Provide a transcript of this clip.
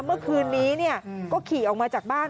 เมื่อคืนนี้ก็ขี่ออกมาจากบ้าน